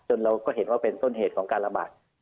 เราก็เห็นว่าเป็นต้นเหตุของการระบาด